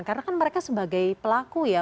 karena kan mereka sebagai pelaku ya